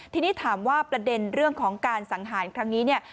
ทีนี้ถามว่าประเด็นเรื่องของการสังหารครั้งนี้เนี่ย